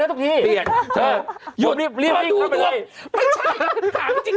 ถามจริงใครอยากจะรู้